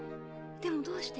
でもどうして？